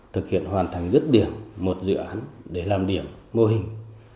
thực hiện hoàn thành dứt điểm một dự án để làm điểm mô hình